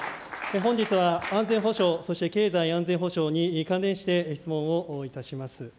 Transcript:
本日は安全保障、そして経済安全保障に関連して質問をいたします。